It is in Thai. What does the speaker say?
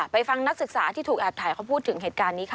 ฟังนักศึกษาที่ถูกแอบถ่ายเขาพูดถึงเหตุการณ์นี้ค่ะ